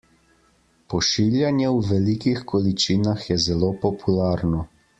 Pošiljanje v velikih količinah je zelo popularno.